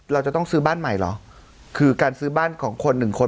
เราจะต้องซื้อบ้านใหม่เหรอคือการซื้อบ้านของคนหนึ่งคน